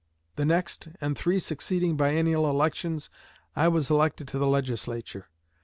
The next, and three succeeding biennial elections, I was elected to the Legislature.